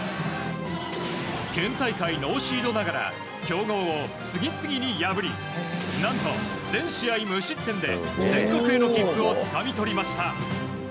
県大会ノーシードながら強豪を次々に破りなんと、全試合無失点で全国への切符をつかみ取りました。